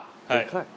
はい。